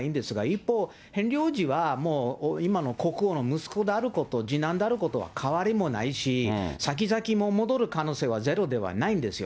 一方、ヘンリー王子はもう今の国王の息子であること、次男であることは変わりもないし、先々も戻る可能性はゼロではないんですよ。